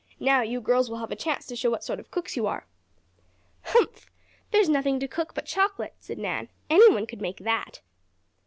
"Now you girls will have a chance to show what sort of cooks you are." "Humph! There's nothing to cook but chocolate!" said Nan. "Any one could make that."